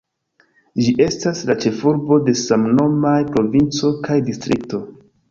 Ĝi estas la ĉefurbo de samnomaj provinco kaj distrikto.